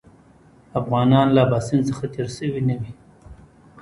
افغانان له اباسین څخه تېر شوي نه وي.